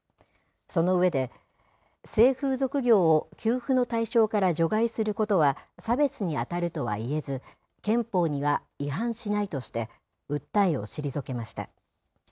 その上で、性風俗業を給付の対象から除外することは差別に当たるとはいえず、憲法には違反しないとして、訴えを退けました。